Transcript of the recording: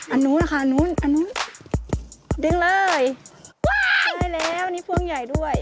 อันนู้นนะคะนู้นอันนู้นดึงเลยใช่แล้วอันนี้พ่วงใหญ่ด้วย